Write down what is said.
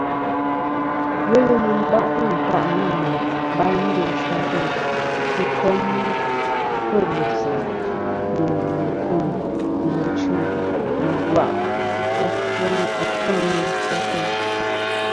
Ghelɨ nɨn bâytɨ̀ ɨnkâʼ nâ mèyn bayn ndosɨ ateyn, fî kom têblɨ̀sɨ̀, nɨ̀ mɨ̀kûyn, nɨ̀ mɨchî, nɨ̀ ɨ̀bwàʼ achfɨ a ndosɨ ateyn.